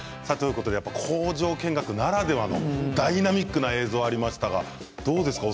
工場見学ならではのダイナミックな映像がありましたがどうですか？